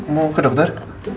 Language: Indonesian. mau ke dokter